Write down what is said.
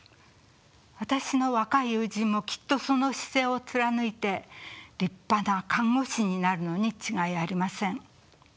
私の若い友人もきっとその姿勢を貫いて立派な看護師になるのに違いありません。